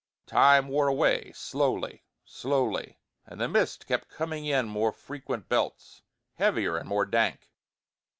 Time wore away slowly, slowly; and the mist kept coming in more frequent belts, heavier and more dank.